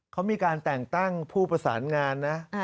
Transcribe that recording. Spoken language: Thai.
เขามีการแต่งตั้งผู้ประสานงานนะ